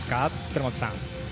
寺本さん。